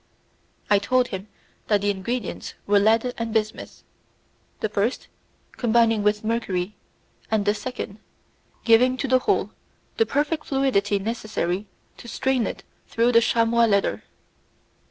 I told him that the ingredients were lead and bismuth; the first, combining with mercury, and the second giving to the whole the perfect fluidity necessary to strain it through the chamois leather.